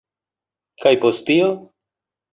Kaj post tio?